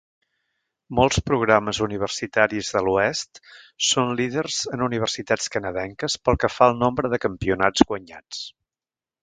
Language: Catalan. Molts programes universitaris de l'oest són líders en universitats canadenques pel que fa al nombre de campionats guanyats.